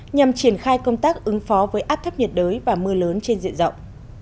nhằm triển khai công tác ứng phó với áp thấp nhiệt đới và mưa lớn trên diện rộng